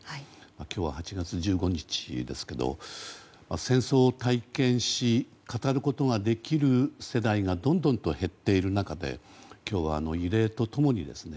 今日は、８月１５日ですけど戦争を体験し語ることができる世代がどんどんと減っている中で今日は、慰霊と共にですね